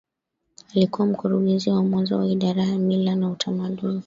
Alikuwa mkurugenzi wa mwanzo wa Idara ya Mila na Utamaduni